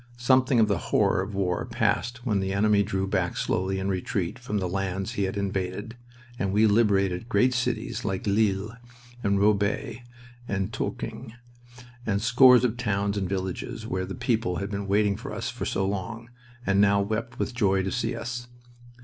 Something of the horror of war passed when the enemy drew back slowly in retreat from the lands he had invaded, and we liberated great cities like Lille and Roubaix and Tourcoing, and scores of towns and villages where the people had been waiting for us so long, and now wept with joy to see us.